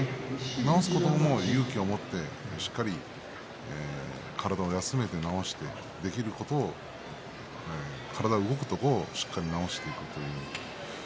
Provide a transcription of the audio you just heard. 治すことも勇気を持って体を休めて治してできることを、体が動くところをしっかり治していくという。